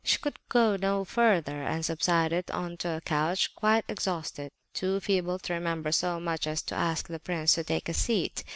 She could go no farther, and subsided on to a couch quite exhausted; too feeble to remember so much as to ask the prince to take a seat.